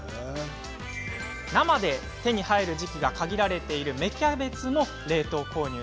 生で手に入る時期が限られている芽キャベツも冷凍を購入。